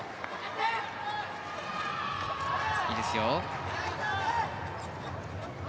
いいですよ。